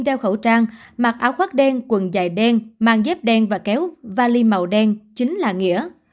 đeo khẩu trang mặc áo khoác đen quần dài đen mang dép đen và kéo vali màu đen chính là nghĩa